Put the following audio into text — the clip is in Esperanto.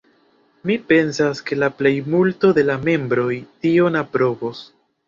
Mi pensas ke la plejmulto de la membroj tion aprobos.